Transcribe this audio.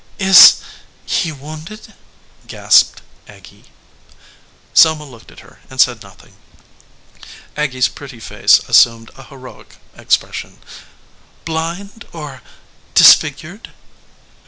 "Is he wounded ?" gasped Aggy. Selma looked at her and said nothing. Aggy s pretty face assumed a heroic expression. "Blind, or disfigured?"